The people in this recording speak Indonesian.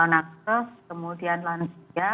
nakes kemudian lansia